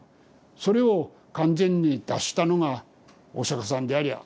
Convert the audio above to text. それを完全に脱したのがお釈さんであり仏さん。